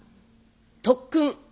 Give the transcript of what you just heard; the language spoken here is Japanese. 特訓。